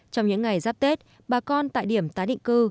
trong những ngày giáp tết bà con tại điểm tái định cư